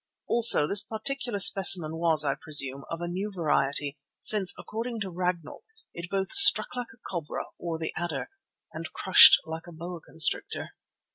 Also this particular specimen was, I presume, of a new variety, since, according to Ragnall, it both struck like the cobra or the adder, and crushed like the boa constrictor.